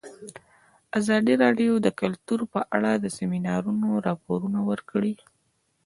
ازادي راډیو د کلتور په اړه د سیمینارونو راپورونه ورکړي.